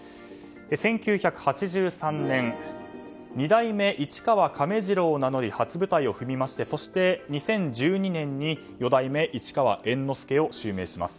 １９８３年二代目市川亀治郎を名乗り初舞台を踏みまして２０１２年に四代目市川猿之助を襲名します。